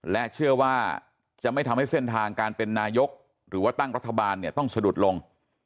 และเชื่อว่าจะไม่ทำให้เส้นทางการเป็นนายกหรือว่าตั้งรัฐบาลเนี่ยต้องสะดุดลง